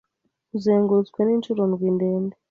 Uzengurutswe ninshuro ndwi ndende